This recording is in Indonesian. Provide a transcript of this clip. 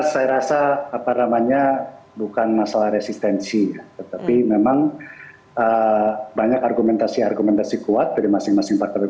saya rasa apa namanya bukan masalah resistensi tetapi memang banyak argumentasi argumentasi kuat dari masing masing partai